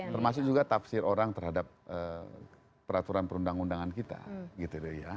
termasuk juga tafsir orang terhadap peraturan perundang undangan kita gitu ya